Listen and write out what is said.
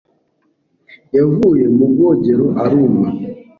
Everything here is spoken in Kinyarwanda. yavuye mu bwogero aruma.